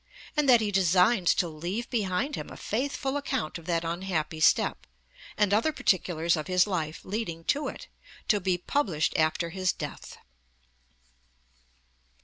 and that he designs to leave behind him a faithful account of that unhappy step, and other particulars of his life leading to it, to be published after his death.'